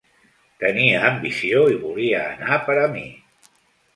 Tenia ambició i volia anar per a mi.